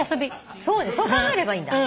そう考えればいいんだ。